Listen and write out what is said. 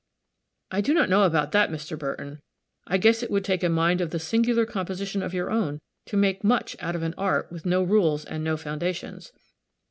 "I do not know about that, Mr. Burton. I guess it would take a mind of the singular composition of your own to make much out of an art with no rules and no foundations."